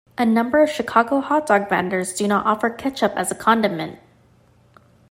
A number of Chicago hot dog vendors do not offer ketchup as a condiment.